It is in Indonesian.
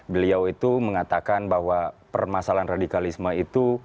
beliau itu mengatakan bahwa permasalahan radikalisme itu